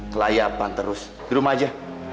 kelayapan terus di rumah aja